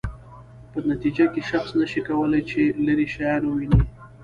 په نتیجه کې شخص نشي کولای چې لیرې شیان وویني.